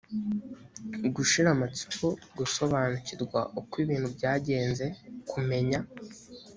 gushira amatsiko gusobanukirwa uko ibintu byagenze kumenya